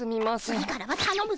次からはたのむぞ！